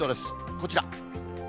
こちら。